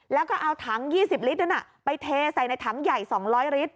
แล้วก็เอาถัง๒๐ลิตรนั้นไปเทใส่ในถังใหญ่๒๐๐ลิตร